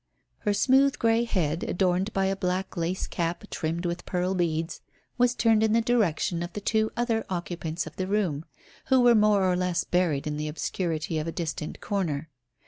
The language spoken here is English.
Her smooth grey head, adorned by a black lace cap trimmed with pearl beads, was turned in the direction of the two other occupants of the room, who were more or less buried in the obscurity of a distant corner.